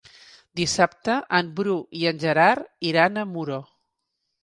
Dissabte en Bru i en Gerard iran a Muro.